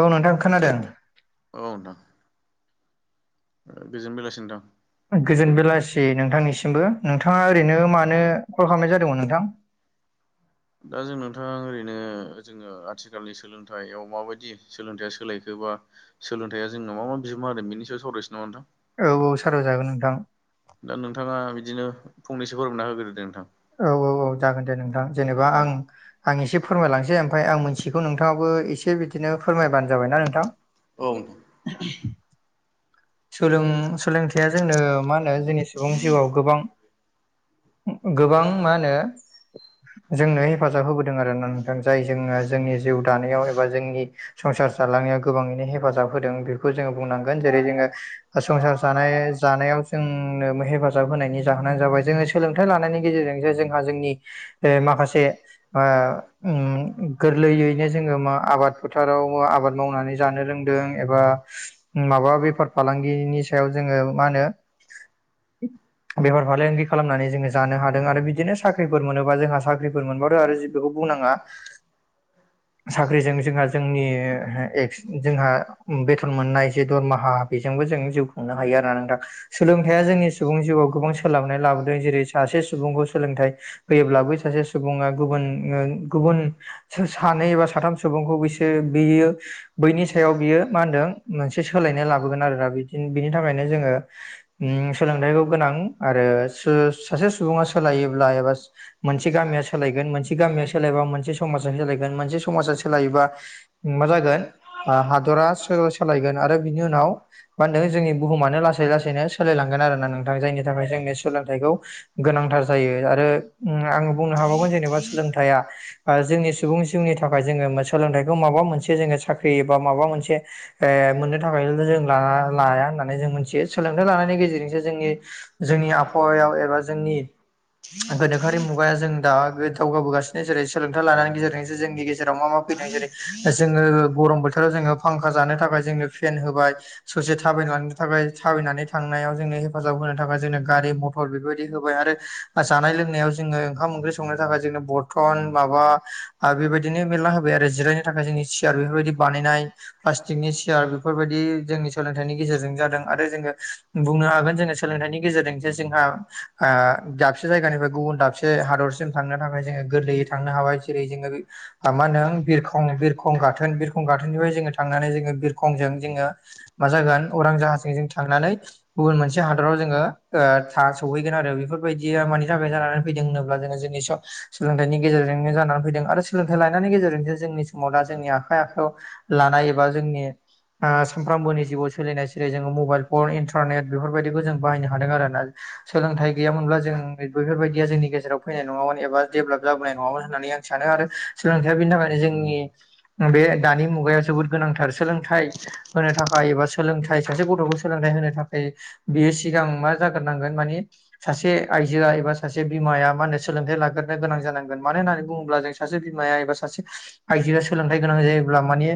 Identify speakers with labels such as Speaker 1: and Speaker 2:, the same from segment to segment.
Speaker 1: औ नोंथां खोनादों।
Speaker 2: औ नोंथां। [unintelligible]
Speaker 1: गोजोन बेलासि नोंथांनिसिमबो नोंथाङा ओरैनो मानो कल खालामनाय जादोंमोन नोंथां?
Speaker 2: दा जों नोंथां ओरैनो जोङो आथिखालनि सोलोंथाइयाव माबायदि सोलोंथाइया सोलायखोबा सोलोंथाया जोंनाव मा मा बिमहा होदों बिनि सायाव सावरायसै नामा नोंथां
Speaker 1: औ औ साराव जागोन नोंथां।
Speaker 2: दा नोंथाङा बिदिनो फंनैसो फोरमायना होग्रो दे नोंथां।
Speaker 1: औ औ औ जागोन दे नोंथां जेनेबा आं आं एसे फोरमायलांनोसै ओमफ्राय आं मोनथिगौ नोंथाङाबो एसे बिदिनो फोरमायबानो जाबाय ना नोंथां।
Speaker 2: औ
Speaker 1: [inaudible] सोलों-सोलोंथाइया जोंनो मा होनो जोंनि सुबुं जिउआव गोबां गोबां मा होनो जोंनो हेफाजाब होबोदों आरोना नोंथां जाय जोंङो जोंनि जिउ दानायाव एबा जोंनि संसार जालांनायाव गोबाङैनो हेफाजाब होदों बेखौ जोंङो बुंनांगोन जेरै जोंङो संसार जानाय जानायाव जोंनो हेफाजाब होनायनि जाहोनानो जाबाय जोंङो सोलोंथाइ लानायनि गेजेरजों जे जोंहा जोंनि माखासे ओ उम गोरलैयैनो जोंङो मा आबाद फोथाराव आबाद मावनानै जानो रोंदों एबा माबा बेफार- फालांगिनि सायाव जोंङो मा होनो बेहार फालांगि खालामनानै जोंङो जानो हा- दों आरो। बिदिनो साख्रिफोर मोनोबा जोंहा साख्रिफोर मोनबाथ' आरो जे बेखौ बुंनाङा।
Speaker 2: [inaudible]
Speaker 1: साख्रिजों जोंहा जोंनि जोंहा बेथन मोननाय जे दरमाहा बेजोंबो जों जिउ खुंनो हायो आरो ना नोंथां। सोलोंथाया जोंनि सुबुं जिउआव गोबां सोलायनाय लाबोदों। जेरै सासे सुबुंखौ सोलोंथाइ होयोब्लाबो बै सासे सुबुङा गुबुन उम गुबुन सानै बा साथाम सुबुंखौ बिसोर बियो बैनि सायाव बियो मा होनदों मोनसे सोलायनाय लाबोगोन आरो ना बे। बिनि थाखायनो जोंङो उम सोलोंथाइखौ गोनां आरो सो सासे सुबुंआ सोलायोब्ला एबा मोनसे गामिया सोलायगोन मोनसे गामिया सोलायबा मोनसे समाजा सोलायगोन मोनसे समा- जा सोलायोबा मा जागोन हादरा सो-सोलायगोन आरो बिनि उनाव मा होनदों जोंनि बुहुमानो लासै लासैनो सोलायलांगोन आरो ना नोंथां जायनि थाखाय जोंनि सोलोंथाइखौ गोनांथार जायो आरो आंङो बुंनो हाबावगोन जेनेबा सोलोंथाया जोंनि सुबुं जोंनि थाखाय जोंङो सोलोंथाइखौ माबा मोनसे जोंङो साख्रि एबा माबा मोनसे ओ मोननो थाखायल जों ला-लाया होननानै जों मिथि- यो सोलोंथाइ लानायनि गेजेरजोंसो जोंनि जोंनि आबहावाया एबा जोंनि गोनोखोआरि मुगाया जों दा दावगाबोगासिनो जेरै सोलोंथाइ लानायनि गेजेरजोंसो जोंनि गेजेराव मा मा फैदों जेरै जोंङो गरम बोथोराव जोंङो फांखा जानो थाखाय जोंङो फेन होबाय ससे थाबायना थांनो थाखाय थाबायनानै थांनायाव जोंनो हेफाजाब होनो थाखाय जोंनो गारि-मटर बेफोरबायदि होबाय आरो जानाय-लोंनायाव जोंङो ओंखाम-ओंख्रि संनो थाखाय जों बरथन माबा आरो बेबायदिनो मेरला होबाय आरो जिरायनो थाखाय जोंनि सियार बेफोरबायदि बानायनाय प्लास्टिकनि सियार बेफोर बेफोरबायदि जोंनि सोलोंथाइनि गेजेरजों जादों आरो जोंङो बुंनो हागोन जोंङो सोलोंथाइनि गेजेरजों जे जोंहा ओ दाबसे जायगानिफ्राय गुबुन दाबसे हादरसिम थांनो थाखाय जोंङो गोरलैयै थांनो हाबाय जेरै जोंङो ओ मा होनदों बिरखं बिरखं गाथोन बिरखं गाथोननिफ्राय जोंङो थांनानै जोंङो बिरखंजों जोंङो मा जागोन उरां जाहाजों जों थांनानै गुबुन मोनसे हादराव जोंङो ओ था सौहै बेफोरबायदिया मानि थाखाय जानानै फैदों होनोब्ला जोंङो जोंनि सोलोंथाइनि गेजेरजोंनो जानानै फैदों आरो। सोलोंथाइ लानायनायनि गेजेरजोंसो जोंनि समाव दा जोंनि आखाइ आखायाव लानाय एबा जोंनि। सामफ्रामबोनि जिउआव सोलिनाय। जेरै जोंङो मबाइल फन इन्टारनेट बेफोरबायदिखौ जों बाहायनो हादों आरोना सोलोंथाइ गैयामोनब्ला जों। बेफोरबायदिया जोंनि गेजेराव फैनाय नङामोन एबा डेभेलप जाबोनाय नङामोन होननानै आं सानो आरो। सोलोंथाया बिनि थाखायनो जोंनि बे दानि मुगायाव जोबोद गोनांथार सोलोंथाइ होनो थाखाय एबा सोलोंथाइ सासे गथ'खौ सोलोंथाइ होनो थाखाय बियो सिगां मा जाग्रोनांगोन मानि सासे आइजोआ एबा सासे बिमाया मा होनो सोलोंथाइ लाग्रोनो गोनां जानांगोन मानो होननानै। बुङोब्ला जों सासे बिमाया एबा सासे आइजोआ सोलोंथाइ गोनां जायोब्ला माने।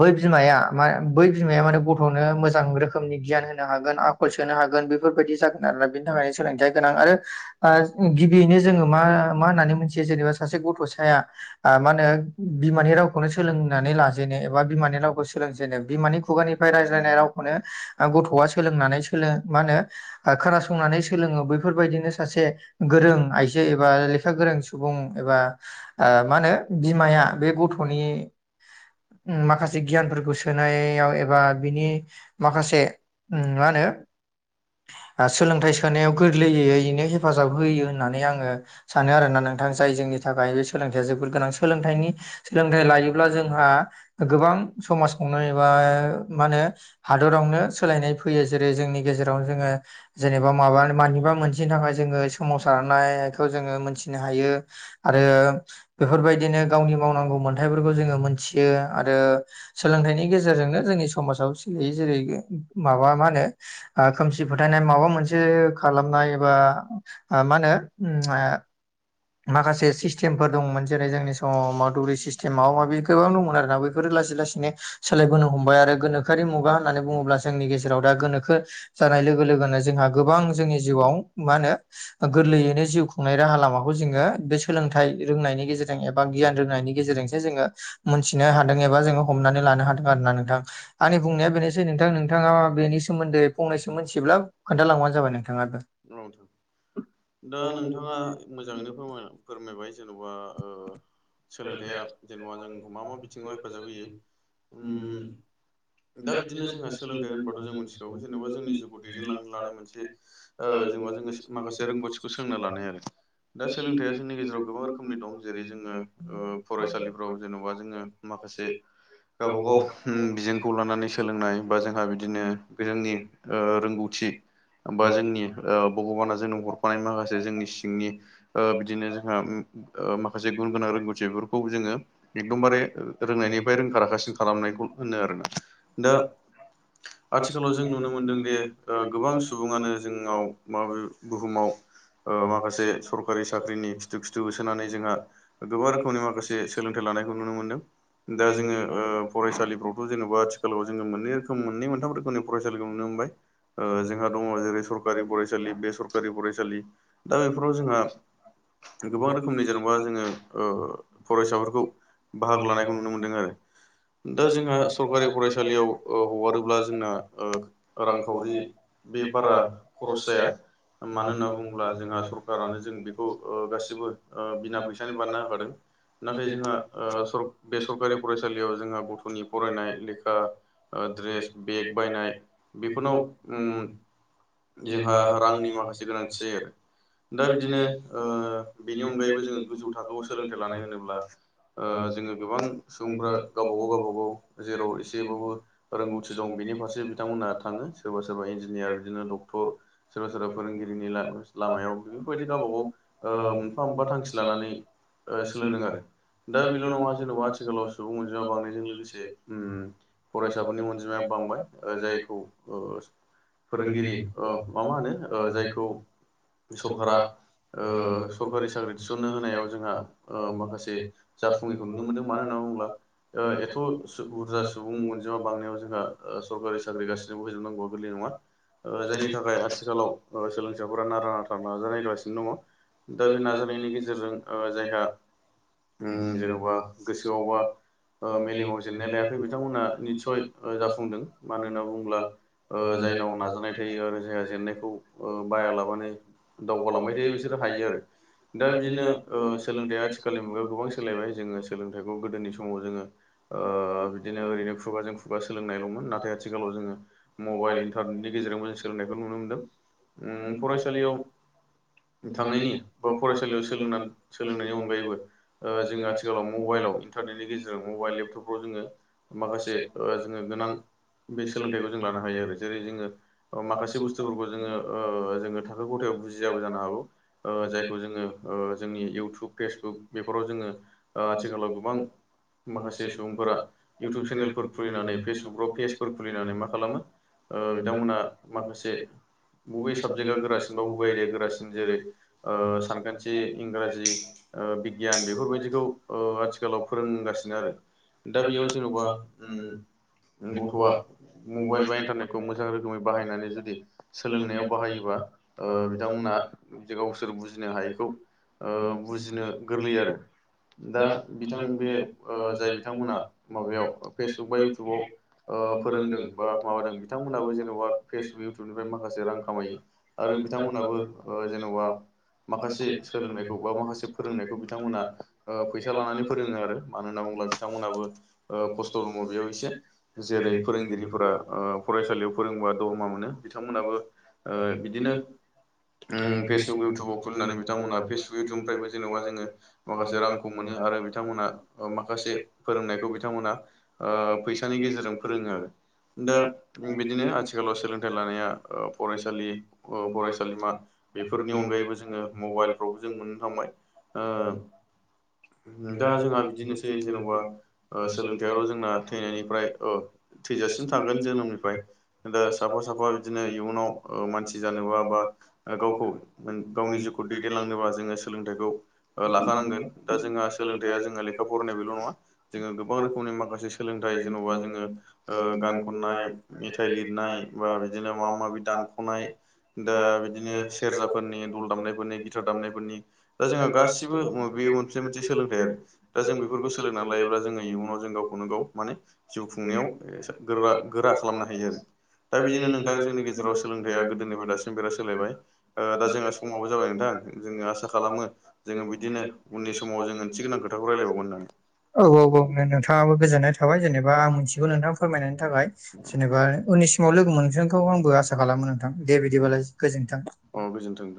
Speaker 1: बै बिमाया मा। बै बिमाया माने गथ'नो मोजां रोखोमनि गियान होनो हागोन आखल सोनो हागोन बेफोरबायदि जागोन। आरोना बेनि थाखायनो सोलोंथाया गोनां आरो गिबियैनो जोंङो मा मा होननानै मोनसे। जेनेबा सासे गथ'साया मा होनो बिमानि रावखौनो सोलोंनानै। जेनो एबा बिमानि रावखौ सोलोंजेनो बिमानि खुगानिफ्राय रायज्लायनाय रावखौनो। गथ'आ सोलोंनानै सोलो मा होनो खोनासंनानै सोलोङो बैफोरबायदिनो सासे गोरों आइजो एबा लेखा गोरों सुबुं एबा मा होनो बिमाया बे गथ'नि माखासे गियानफोरखौ सोनायाव एबा बिनि माखासे मा होनो सोलोंथाइ सोनायाव गोरलैयैैनो हेफाजाब होयो होननानै आङो सानो आरोोना नों नोंथां जाय जोंनि थाखाय बे सोलोंथाइया जोबोर गोनां सोलोंथाइनि सोलोंथाइ लायोब्ला जोंहा गोबां समाज खनाय बा मा होनो हादरावनो सोलायनाय फैयो जेरै जोंनि गेजेरावनो जोङो जेनेबा माबा मानिबा मोनसेनि थाखाय जोङो साव थानायारखौ जोङो मोनथिनो हायो आरो बेफोरबायदिनो गावनि मावनांगौ मोन्थथायफोरखौ जोङो मोनथियो आरो सोलोंथाइनि गेजेरजोंनो जोंनि समाजाव सलिायै जेरै माबा मा होनो खोमसि फोथायनाय माबा मोनसे खालामनाय एबा मा होनो माखासे सिस्टेमफोर दंमोन जेरै जोंनि द मा दौरि सिस्टेम माबा माबि गोबां दंमोन आरोना बेफोरो लासै लासैनो सोलायबोनो हमबाय आरो गोनो सोरखारि मुगा होननानै बुङोब्ला जोंनि गेजेराव दा गोनोखो जानाय लोगो लोगोनो जोंहा गोबां जोंनि जिउआव मा होनो गोरलैयैनो जिउ खुंनाय राहा लामाखौ खौ जोङो बे सोलोंथाइ रोंनायनि गेजेरजों एबा गियान रोंनायनि गेजेरजोंसो जोङो मोनथिनो हादों एबा जोङो हमनानै लानो हादों आरो ना नोंथां आंनि बुंनाया बेनोसै नोंथां नोंथाङा बेनि सोमोन्दै फंनैसो मिथिब्ला खोन्थालांबानो जाबाय नोंथाङााबो
Speaker 2: रथ दा नोंथाङा मोजाङैनो फोर फोरमायबाय जेन'बा सोलोंथाइया जेन'बा जोंखौ मा मा बिथिङाव हेफाजाब होयो दा बिदिनो जोंहा सोलोंथाइ होनबाथ' जों मिथिखागौ जेनेबा जोंनि जिउखौ दैदेनलांनो लानाय मोनसे जेनबा जो माखासे रोंगथि सोंना लानाय आरो दा सोलोंथाइया जोंनि गेजेराव गोबां रोखोमनि दं जेरै जोङो फरायसालिफ्राव जेन'बा जोङो माखासे गावबागाव बिजोंखौ लानानै सोलोंनाय बा जोंहा बिदिनो जोंनि रोंगौथि बा जोंनि भगबाना जोंनो हर नि बिनो जों ग गां फोरखौ जोङो एखदमबारे रोंनायनिफ्राय रोंखा राखासिन खालामनायखौ होनो आरोना दा' आथिखालाव जों नुनो मोनदों दि गोबां सुबुङानो जोंनाव माब बुहुमाव ओ माखासे सरकारि साख्रिनि खिथु खिथु होसोनानै जोंहा गोबां रोखोमनि माखासे सोलोंथाइ लानायखौ नुनो मोनदों। दा जोंङो फरायसालिफ्रावथ' जेनेबा आथिखालाव जोंङो मोननै रोखोम मोननै मोनथाम रोखोमनि फरायसालिखौ नुनो मोनबाय। ओ जोंहा दङ जेरै सरकारि फरायसालि बे सरकरि फरायसा दा बेफोराव जोंहा गोबां रोखोमनि जेनेबा जोंङो ओ फरायसाफोरखौ बाहागो लानायखौ नुनो मोनदों आरो दा जोंहा सरखारि फरायसालियाव हगारोब्ला जोंना रांखावरि बे बारा खरस जाया मानो होनोब बुं्ला जोंहा सरकारानो जों बेखौ गासिबो बिना फैसानि बारनो होखादों नाथाय जोंहा ओ बे सरकारि फरायसालियाव जोंहा गथ'नि फरायनाय लेखा बादड्रेस बेग बायनाय बेफोरनाव जोंहा रांनि माखासे गोनांथि जायो आरो दा बिदिनो बेनि अनगायैबो जोंङो गोजौ थाखोआव सोलोंथाइ लानाय होनोब्ला ओ जोंङो गोबां सुबुंफ गावबागाव गावबाागाव जेराव एसेबाबो रोंगौथि दं बेनि फारसे बिथांमोनहा थाङो सोरबा सोरबा इन्जिनियार बिदिनो डक्टर सोरबा सोरबा फोरोंगिरिनि ला लामायाव बेफोरबायदि गावबा गाव मोनफा मोनफा थांखि लानानै ओसोलोंदों आरो दा बेल' नङा जेन'बा आथिखालाव सुबुं अनजिमा बांनायजों लोगोसे ओम फरायसाफोरनि अनजिमाया बांबाय। ओजायखौ फोरोंगिरि मा मा होनो जायखौ बे सरका ओ सरकारि साख्रि थिसननो होनायाव जोंहा माखासे जाफुङैखौ नुनो मोनदों मानो होनना बुङोब्ला एथ' बुरजा सुबुं अनजिमा बांनायाव जोंहा सरकारि साख्रि गासिनो [unintelligible] जोबनांगौआ गोरलै नङा ओ जायनि थाखाय आथिखालाव सोलोंसाफोरा न नारा नाथा नाजानायोगासिनो दङ दा बे नाजानायनि गेजेरजों जायहा ओम जेन'बा गोसोआवबा ओ मेलेमाव जेननाय लायाखै बिथांमोनहा निस्सय जाफुंदों मानो होनना बुङोब्ला ओ जायनाव नाजानाय थायो आरो जायहा जेननायखौ बाया लाबानो दावगालांबाय थायो बिसोरो हायो आरो दा बिदिनो सोलोंथाइया आथिखालनि मुगायाव गोबां सोलायबाय जो़ङो सोलोंथाइखौ गोदोनि समाव जोंङो ओ बिदिनो ओरैनो खुगाजों खुगा सोलोंनायलंमोन नाथाय आथिखालाव जोंङो मबाइल नि गेजेरावबो जों सोलोंनायखौ नुनो मोनदों फरायसालियाव थांनायनि बा फरायसालियाव सोलोंनानै सोलोंनायनि अनगायैबो ओ जों आथिखालाव मबाइलाव इन्टारनेटनि गेजेरजों मबाइल लेपटपफ्राव जोंङो माखासे जोंङो गोनां बे सोलोंथाइखौ जों लानो हायो आरो जेरै जोंङो ओ माखासे बुस्थुफोरखौ जोंङो ओ जोंङो थां बे गथायाव बुजियाबो जानो हागौ जायखौ जोंङो जोंनि इयउटुब फेसबुक बेफोराव जोंङो ओ आथिखालाव गोबां माखासे सुबुंफोरा इउटुब चेनेलफोर खुलिनानै फेसबुकाव पेजफोर खुलिनानै मा खालामो ओ बिथांमोना माखासे बबे साबजेक्टआ गोरासिन [unintelligible] गोरासिन जेरै सानखान्थि इंराजि ओ बिगियान बेफोरबायदिखौ ओ आथिखालाव फोरोंगासिनो आरो दा बेयाव जेन'बा गथ'आ मबाइल बा इन्टारनेटखौ मोजां रोखोमै बाहायनानै जुदि सोलोंनायाव बाहायोबा ओ बिथांमोना गावसोर बुजिनो हायैखौ ओ बुजिनो गोरलै आरो दा बिथां बे जाय बिथांमोना माबायाव फेसबुक बा इउटुबाव ओ फोरोंदों बा माबादों बिथांमोनहाबो जेन'बा फेसबुक इउटुबनिफ्राय माखासे रां खामायो। आरो बिथांमोनहाबो जेन'बा माखासे सोलोंनायखौ बा माखासे फोरोंनायखौ बिथांमोना ओ फैसा लानानै फोरोङो आरो मानो होनना बुङला बिथांमोनहाबो ओ खस्थ' दङ बेयाव एसे जेरै फोरोंगिरिफोरा फरायसालियाव फोरोंबा दरमा मोनो बिथांमोनाबो ओ
Speaker 1: बिदिनो
Speaker 2: उम फेसबुक
Speaker 1: बेसेन
Speaker 2: इउटुबाव खुलिनानै बिथांमोनहा फेसबुक इउटुबनिफ्रायबो जेन'बा जोङो
Speaker 1: [unintelligible]
Speaker 2: माखासे रांखौ मोनो आरो बिथांमोना माखासे फोरोंनायखौ बिथांमोना ओ फैसानि गेजेरजों फोरोङो आरो। दा बिदिनो आथिखालाव सोलोंथाइ लाना ओ फरायसालि फरायसालिमा बेफोरनि अनगायैबो जोङो मबाइलफ्रावबो जों मोननो थांबाय।
Speaker 1: औ
Speaker 2: ओ दा जोंहा बिदिनोसै जेनेबा सोलोंथायाइल' जोंना थैनायनिफ्राय थैजासिम थागोन जोनोमनिफ्राय या साफा- साफा बिदिनो इयुनाव ओ मानसि जानोबा बा गावखौ गावनि जिउखौ दैदेनलांनोबा जोङो सोलोंथाइखौ ओ लाखानांगोन। दा जोंहा सोलोंथाइया जोंहा लेखा फरायनाय बेल' नङा जोङो गोबां रोखोमनि माखासे सोलोंथाइ जेन'बा जोङो गान खननाय, मेथाइ लिरनाय बा बिदिनो माबा माबि दानख'नाय दा बिदिनो सेरजाफोरनि दल दामनायफोरनि गिथार दामनायफोरनि दा जोंहा गासिबो बे मोनसे मोनसे सोलोंथाइ आरो। दा जों बेफोरखौ सोलोंनानै लायोब्ला जोङो इयुनाव जों गावखौनो गाव माने जिउ खुंनायाव मोनसे गोरा गोरा खालामनो हायो आरो। दा बिदिनो नों दा जोंनि गेजेराव सोलोंथया गोदोनिफ्राय दासिम बिराद सोलायबाय। दा जोंहा समावबो जाबाय नोंथां जोङो आसा खालामो जोङो बिदिनो उननि समाव जों ओंथि गोनां खोथाखौ रायलायबावगोन होननानै।
Speaker 1: औ औ औ नोंथाङाबो गोजोन्नाय थाबाय। जेनेबा आं मिथिगौ नोंथां फोरमायनायनि थाखाय। जेनेबा उननिसिमाव लोगो मोनगोनखौ आंबो आसा खालामो नोंथां। दे बिदिबालाय गोजोनथों।
Speaker 2: अ गोजोन्थों।